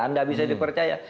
anda bisa dipercaya